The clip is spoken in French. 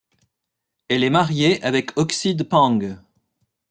Elle est mariée avec Oxide Pang.